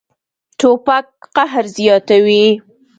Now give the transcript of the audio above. توپک قهر زیاتوي.